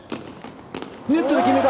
ネットで決めた！